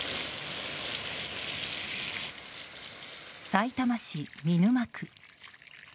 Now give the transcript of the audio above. さいたま市見沼区。